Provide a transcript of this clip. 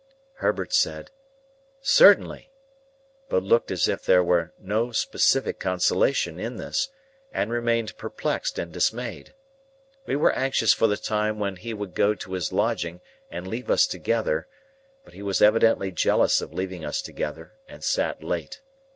Herbert said, "Certainly," but looked as if there were no specific consolation in this, and remained perplexed and dismayed. We were anxious for the time when he would go to his lodging and leave us together, but he was evidently jealous of leaving us together, and sat late.